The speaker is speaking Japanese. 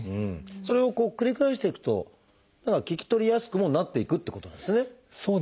それを繰り返していくと聞き取りやすくもなっていくってことなんですね。